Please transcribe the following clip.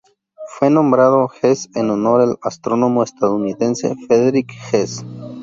Fue nombrado Hess en honor al astrónomo estadounidense Frederick Hess.